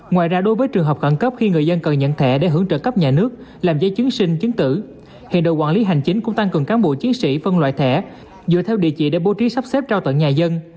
ngoài ra đối với trường hợp khẩn cấp khi người dân cần nhận thẻ để hưởng trợ cấp nhà nước làm giấy chứng sinh chứng tử hiện đội quản lý hành chính cũng tăng cường cán bộ chiến sĩ phân loại thẻ dựa theo địa chỉ để bố trí sắp xếp trao tận nhà dân